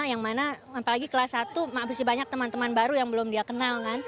yang mana apalagi kelas satu masih banyak teman teman baru yang belum dia kenal kan